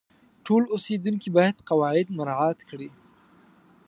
ټول اوسیدونکي باید قواعد مراعات کړي.